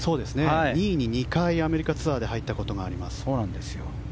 ２位に２回アメリカツアーで入ったことがあります。